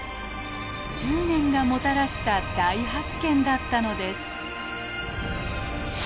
執念がもたらした大発見だったのです。